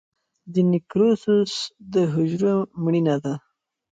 د نیکروسس د حجرو مړینه ده.